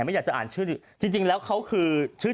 มีการให้จำอ่านชื่อ